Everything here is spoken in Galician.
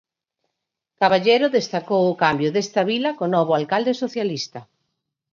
Caballero destacou o cambio desta vila co novo alcalde socialista.